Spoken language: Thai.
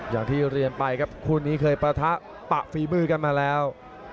อย่างที่เรียนไปครับคู่นี้เคยปะทะปะฝีมือกันมาแล้ว